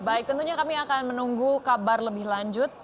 baik tentunya kami akan menunggu kabar lebih lanjut